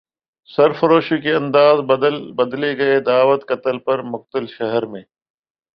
سرفروشی کے انداز بدلے گئے دعوت قتل پر مقتل شہر میں